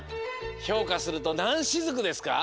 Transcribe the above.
ひょうかするとなんしずくですか？